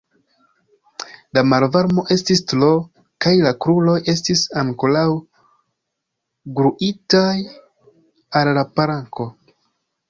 La malvarmo estis tro, kaj la kruroj estis ankoraŭ gluitaj al la planko.